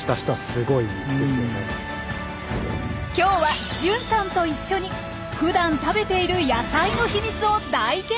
今日は純さんと一緒にふだん食べている野菜の秘密を大研究しちゃいます！